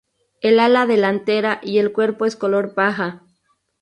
El ala delantera y el cuerpo es color paja.